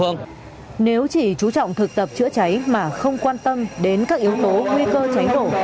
nếu chỉ chú trọng thực tập chữa cháy mà không quan tâm đến các yếu tố nguy cơ cháy nổ